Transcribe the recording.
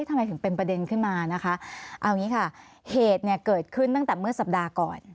ทำไมถึงเป็นประเด็นขึ้นมานะคะเอาอย่างนี้ค่ะเหตุเนี่ยเกิดขึ้นตั้งแต่เมื่อสัปดาห์ก่อน